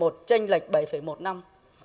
tranh lệch bảy một năm